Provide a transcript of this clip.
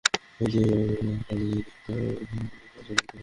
অবস্থার অবনতি হলে রাতেই তাঁকে কুষ্টিয়া জেনারেল হাসপাতালে ভর্তি করা হয়।